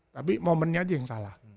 tapi momennya aja yang salah